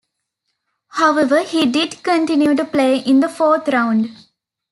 However, he did continue to play in the fourth round.